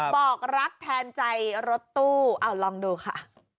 บอกรักแทนใจรถตู้เอาลองดูค่ะ